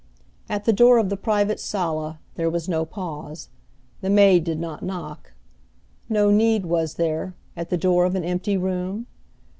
At the door of the private sala there was no pause; the maid did not knock. No need, was there, at the door of an empty room?